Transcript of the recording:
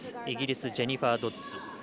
イギリス、ジェニファー・ドッズ。